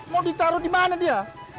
mau ditaruh di mana dia